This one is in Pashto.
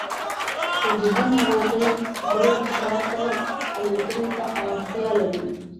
خو جدي ناروغۍ بل ښار ته الوتنې ته اړتیا لري